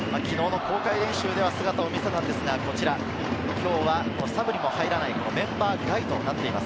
沖縄の公開練習では姿を見せたんですが、今日はサブにも入らないメンバー外となっています。